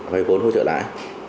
vay vốn hỗ trợ lãi